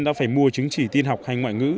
đã phải mua chứng chỉ tin học hay ngoại ngữ